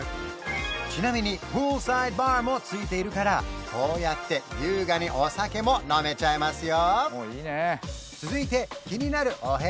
ちなみにプールサイドバーもついているからこうやって優雅にお酒も飲めちゃいますよ